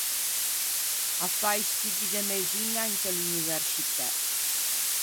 A fà i studdi de mëxiña inte l’universcitæ.